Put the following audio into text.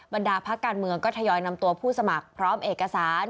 ดาภาคการเมืองก็ทยอยนำตัวผู้สมัครพร้อมเอกสาร